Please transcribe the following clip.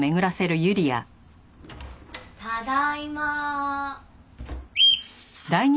ただいま。